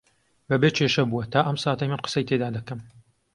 بەبێ کێشە بووە تا ئەم ساتەی من قسەی تێدا دەکەم